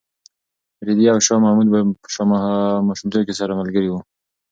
رېدي او شاه محمود په ماشومتوب کې سره ملګري وو.